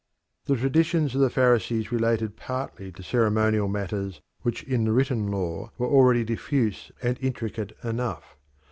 The traditions of the Pharisees related partly to ceremonial matters which in the written law were already diffuse and intricate enough.